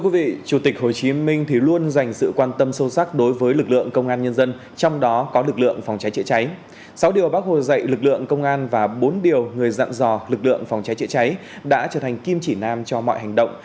vị lực lượng công an và bốn điều người dặn dò lực lượng phòng cháy chữa cháy đã trở thành kim chỉ nam cho mọi hành động